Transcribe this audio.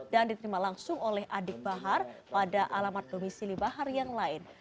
dan diterima langsung oleh adik bahar pada alamat domisi lima hari yang lain